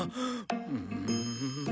うん。